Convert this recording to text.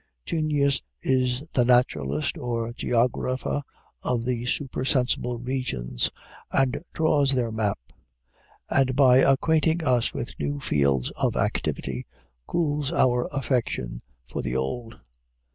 Genius is the naturalist or geographer of the supersensible regions, and draws their map; and, by acquainting us with new fields of activity, cools our affection for the old.